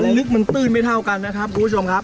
ลึกมันตื้นไม่เท่ากันนะครับคุณผู้ชมครับ